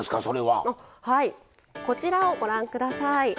はいこちらをご覧ください。